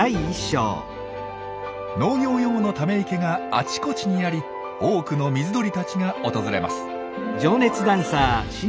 農業用のため池があちこちにあり多くの水鳥たちが訪れます。